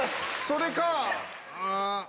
それか。